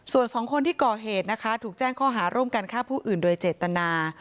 ส่วนสองคนที่ก่อเหตุนะคะถูกแจ้งข้อหาร่วมกันฆ่าผู้อื่นโดยเจตนา